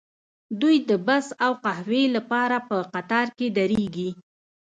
دوی د بس او قهوې لپاره په قطار کې دریږي